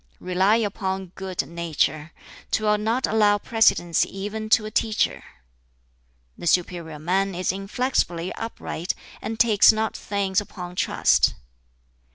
"Rely upon good nature. 'Twill not allow precedence even to a teacher. "The superior man is inflexibly upright, and takes not things upon trust.